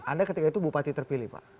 anda ketika itu bupati terpilih pak